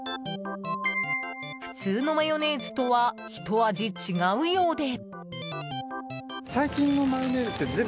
普通のマヨネーズとはひと味違うようで。